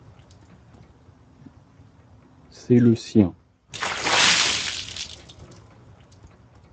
C’est le sien.